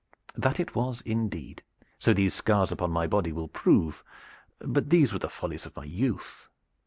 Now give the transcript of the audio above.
"That it was indeed so these scars upon my body will prove; but these were the follies of my youth."